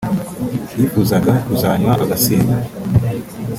yifuzaga kuzanywa agasinda